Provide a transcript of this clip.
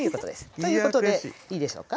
ということでいいでしょうか。